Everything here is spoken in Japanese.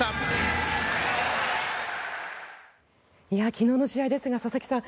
昨日の試合ですが佐々木さん